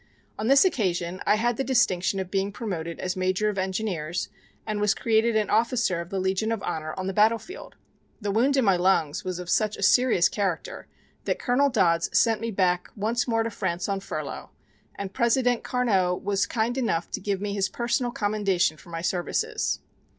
On this occasion I had the distinction of being promoted as Major of Engineers and was created an Officer of the Legion of Honor on the battle field. The wound in my lungs was of such a serious character that Colonel Dodds sent me back once more to France on furlough, and President Carnot was kind enough to give me his personal commendation for my services.